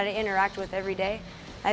yang saya interaksi dengan setiap hari